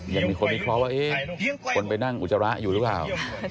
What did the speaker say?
อย่างมีคนที่เค้าว่าคนไปนั่งอุจจาระอยู่หรือเปล่า